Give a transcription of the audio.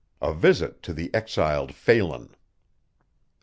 A VISIT TO THE EXILED PHELAN.